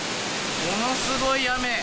ものすごい雨。